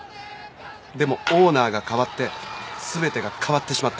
でもオーナーが代わって全てが変わってしまった。